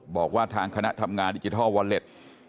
บอกว่าทางคณะทำงานดิจิทัลวอลเล็ต